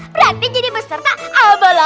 berarti jadi peserta abal abal